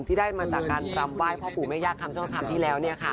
ที่ได้มาจากการรำไหว้พ่อปู่แม่ย่าคำช่วงคำที่แล้ว